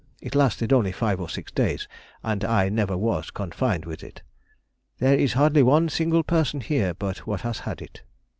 It lasted only five or six days, and I never was confined with it.... There is hardly one single person here but what has had it.